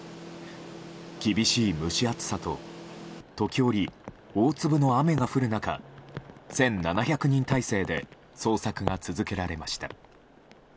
厳しい蒸し暑さと時折、大粒の雨が降る中１７００人態勢で捜索が続けられました。